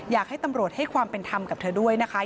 อยากให้ตำรวจให้ความเป็นธรรมกับเธอด้วยนะคะ